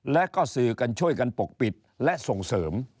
และก็สื่อกันช่วยกันปกปิดและส่งเสริม